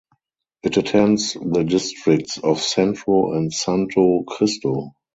It attends the districts of Centro and Santo Cristo.